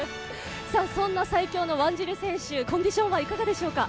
そんな最強のワンジル選手、コンディションいかがでしょうか。